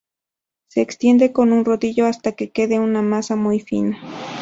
Se extiende con un rodillo hasta que quede una masa muy fina.